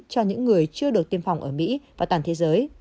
cho những người chưa được tiêm phòng ở mỹ và toàn thế giới